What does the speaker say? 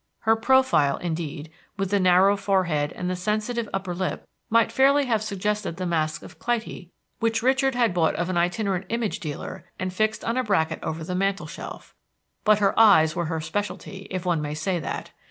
Her profile, indeed, with the narrow forehead and the sensitive upper lip, might fairly have suggested the mask of Clytie which Richard had bought of an itinerant image dealer, and fixed on a bracket over the mantel shelf. But her eyes were her specialty, if one may say that.